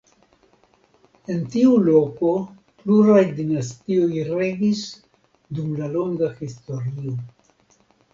En tiu loko pluraj dinastioj regis dum la longa historio.